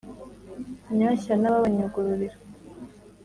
Nyanshya nababa nyugururira